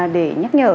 để nhắc nhở